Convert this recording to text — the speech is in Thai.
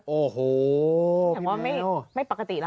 แสดงว่าไม่ปกติเดียวหล่ะ